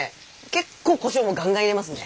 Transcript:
結構こしょうもガンガン入れますね。